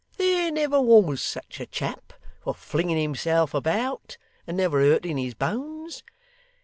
There never was such a chap for flinging himself about and never hurting his bones.